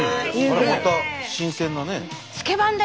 それまた新鮮なね。